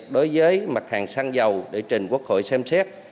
đối với mặt hàng xăng dầu để trình quốc hội xem xét